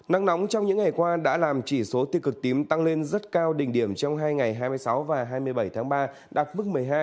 nắng nóng trong những ngày qua đã làm chỉ số tiêu cực tím tăng lên rất cao đỉnh điểm trong hai ngày hai mươi sáu và hai mươi bảy tháng ba đạt mức một mươi hai